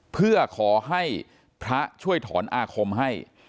เพื่อขอให้พระช่วยถอนอาคมให้